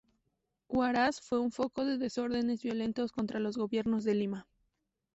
Huaraz fue un foco de desórdenes violentos contra los gobiernos de Lima.